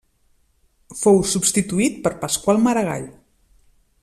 Fou substituït per Pasqual Maragall.